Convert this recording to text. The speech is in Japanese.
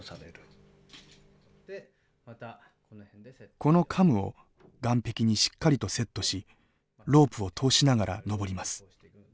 このカムを岩壁にしっかりとセットしロープを通しながら登ります。